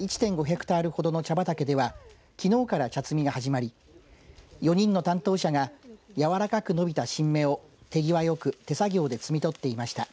ヘクタールほどの茶畑ではきのうから茶摘みが始まり４人の担当者がやわらかく伸びた新芽を手際よく手作業で摘み取っていました。